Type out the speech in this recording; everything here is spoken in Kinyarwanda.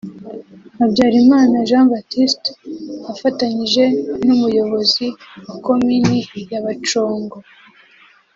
Habyalimana Jean Baptiste afatanyije n’Umuyobozi wa Komini ya Bacongo